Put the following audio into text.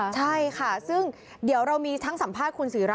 ใช่ค่ะซึ่งเดี๋ยวเรามีทั้งสัมภาษณ์คุณศิรา